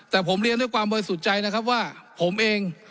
แต่ผมเรียนด้วยความบริสุทธิ์ใจนะครับว่าผมเอง